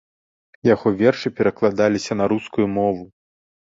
Яго вершы перакладаліся на рускую мову.